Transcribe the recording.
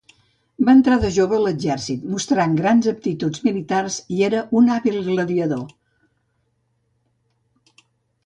Va entrar de jove a l'exèrcit, mostrant grans aptituds militars i era un hàbil gladiador.